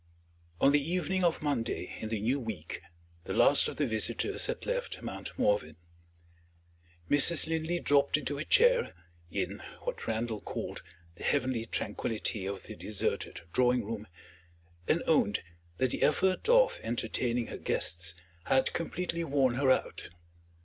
On the evening of Monday in the new week, the last of the visitors had left Mount Morven. Mrs. Linley dropped into a chair (in, what Randal called, "the heavenly tranquillity of the deserted drawing room") and owned that the effort of entertaining her guests had completely worn her out.